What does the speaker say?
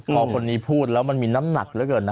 พอคนนี้พูดแล้วมันมีน้ำหนักเหลือเกินนะ